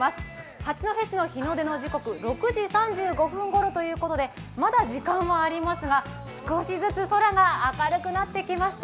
八戸市の日の出時刻６時３５分頃ということでまだ時間はありますが少しずつ空が明るくなってきました。